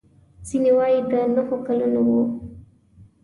ځینې وايي د نهو کلونو و.